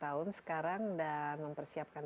tahun sekarang dan mempersiapkan